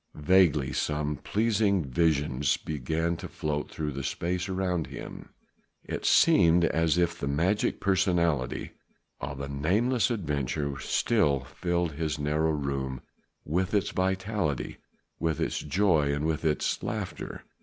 Vaguely some pleasing visions began to float through space around him. It seemed as if the magic personality of a nameless adventurer still filled this narrow room with its vitality, with its joy and with its laughter.